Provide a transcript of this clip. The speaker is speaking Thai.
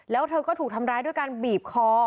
แล้วเธอก็ถูกทำร้ายด้วยการบีบคอ